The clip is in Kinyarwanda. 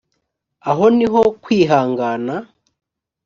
aho ni ho kwihangana